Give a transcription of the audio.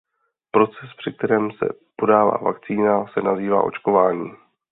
Proces při kterém se podává vakcína se nazývá očkování.